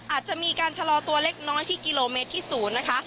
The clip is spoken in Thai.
อาจจะมีการชะลอตัวเล็กน้อยที่กิโลเมตรที่๐นะคะ